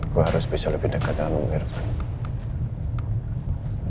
gue harus bisa lebih dekat dengan om irfan